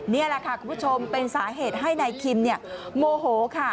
นี่แหละค่ะคุณผู้ชมเป็นสาเหตุให้นายคิมโมโหค่ะ